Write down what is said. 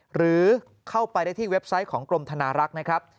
หรือเข้าไปได้ที่เว็บไซต์ของกรมธนารักษ์นะครับ